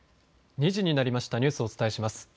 ２時になりましたニュースをお伝えします。